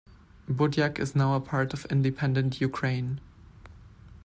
Budjak is now a part of independent Ukraine.